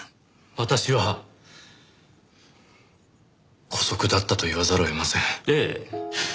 私は姑息だったと言わざるを得ません。